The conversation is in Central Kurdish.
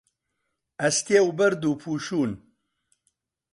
ئەستێ و بەرد و پووشوون